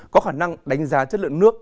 có khả năng đánh giá chất lượng nước